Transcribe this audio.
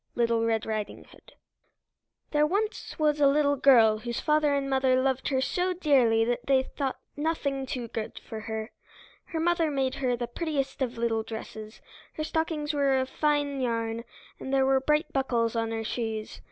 '" LITTLE RED RIDING HOOD There was once a little girl whose father and mother loved her so dearly that they thought nothing too good for her. Her mother made for her the prettiest of little dresses; her stockings were of fine yarn, and there were bright buckles on her shoes.